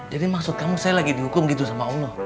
jadi maksud kamu saya lagi dihukum gitu sama allah